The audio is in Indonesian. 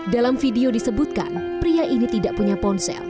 dalam video disebutkan pria ini tidak punya ponsel